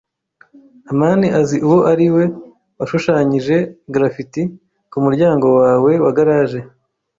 amani azi uwo ari we washushanyije graffiti kumuryango wawe wa garage.